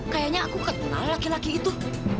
kayaknya aku kenal laki laki itu